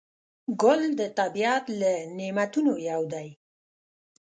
ګل د طبیعت له نعمتونو یو دی.